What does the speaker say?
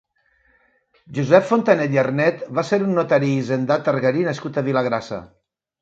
Josep Fontanet i Arnet va ser un notari i hisendat targarí nascut a Vilagrassa.